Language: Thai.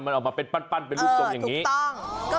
มันออกมาเป็นปั้นเป็นรูปทรงอย่างนี้ถูกต้อง